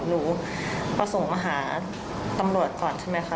หาต่ำรอบก่อนใช่ไหมออกไปโรงพยาบาลและหนูสิ่งแรกหนูถาม